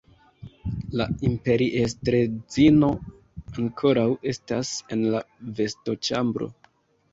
La imperiestredzino ankoraŭ estas en la vestoĉambro.